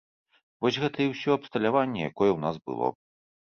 Вось гэта і ўсё абсталяванне, якое ў нас было.